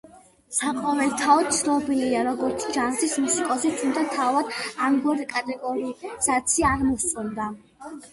საყოველთაოდ ცნობილია, როგორც ჯაზის მუსიკოსი, თუმცა თავად ამგვარი კატეგორიზაცია არ მოსწონდა.